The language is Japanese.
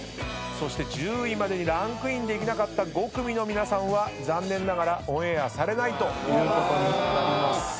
そして１０位までにランクインできなかった５組の皆さんは残念ながらオンエアされないということになります。